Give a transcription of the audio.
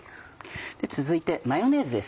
続いてマヨネーズです。